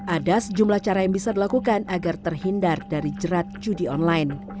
ada sejumlah cara yang bisa dilakukan agar terhindar dari jerat judi online